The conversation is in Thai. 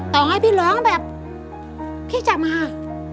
ต่อให้พี่ร้องแบบพี่จะมา